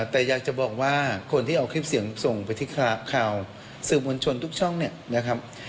แต่อยากจะบอกว่าคนที่เอาคลิปเสียงส่งไปที่ข่าวสื่อมวลชนทุกช่องเนี่ยนะครับ